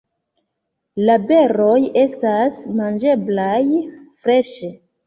La beroj estas manĝeblaj freŝe.